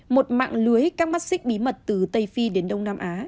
một mạng lưới các mắt xích bí mật từ tây phi đến đông nam á